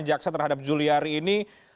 jaksa terhadap juliari ini